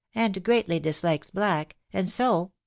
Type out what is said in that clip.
.. and greatly dislikes black, and so